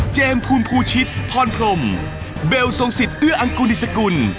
เจมส์ภูมิภูชิษย์พรพรมเบลสงสิทธิ์เอื้ออังกุลดิสกุล